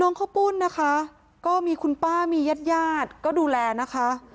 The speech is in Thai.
ข้าวปุ้นนะคะก็มีคุณป้ามีญาติญาติก็ดูแลนะคะ